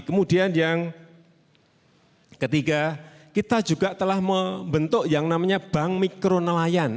kemudian yang ketiga kita juga telah membentuk yang namanya bank mikronelayan